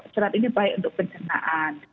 serat ini baik untuk pencernaan